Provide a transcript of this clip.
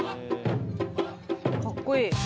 かっこいい。